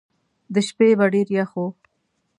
د شپې به ډېر یخ وو.